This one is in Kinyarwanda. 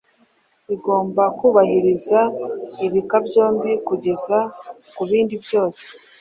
igomba kubahiriza ibika byombi kugeza kubindi byose